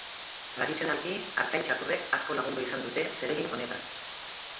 Tradizionalki, artzain txakurrek asko lagundu izan dute zeregin honetan.